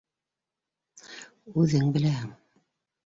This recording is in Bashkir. Үҙең беләһең.